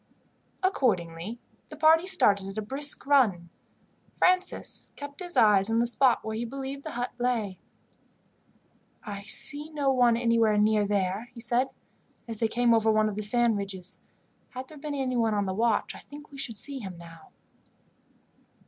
Accordingly, the party started at a brisk run. Francis kept his eyes on the spot where he believed the hut lay. "I see no one anywhere near there," he said, as they came over one of the sand ridges. "Had there been anyone on the watch I think we should see him now."